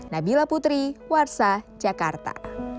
nabila putri warsa jakarta